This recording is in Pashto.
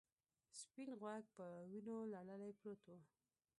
سپین غوږ په وینو لړلی پروت و.